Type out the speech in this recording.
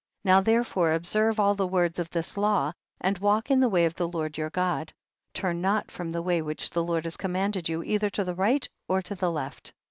6. Now therefore observe all the words of this law, and walk in the way of the Lord your God, turn not from the way which the Lord has commanded you, either to the right or to the left.